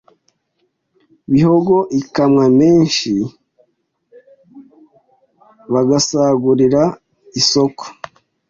Bihogo ikamwa menshi bagsagurira isoko